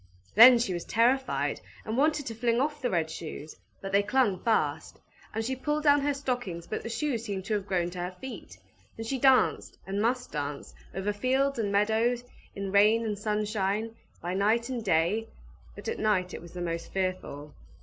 Then she was terrified, and wanted to fling off the red shoes, but they clung fast; and she pulled down her stockings, but the shoes seemed to have grown to her feet. And she danced, and must dance, over fields and meadows, in rain and sunshine, by night and day; but at night it was the most fearful.